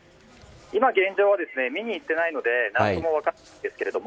今、現状は見に行っていないので何とも分からないんですか